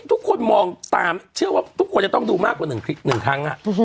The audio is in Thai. ทุกคนมองตามเชื่อว่าทุกคนจะต้องดูมากกว่า๑ครั้ง